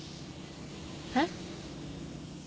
えっ？